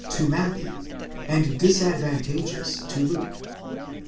187 Matthew and disadvantageous to Luke.